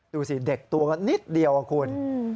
ดูสิเด็กตัวก็นิดเดียวอะคุณ